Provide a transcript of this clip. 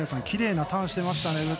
きれいなターンしていましたね。